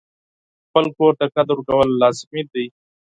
خپل کور ته قدر ورکول لازمي دي.